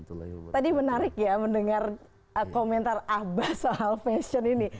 tadi menarik ya mendengar komentar abah soal fashion ini